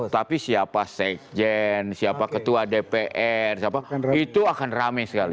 tapi siapa sekjen siapa ketua dpr itu akan rame sekali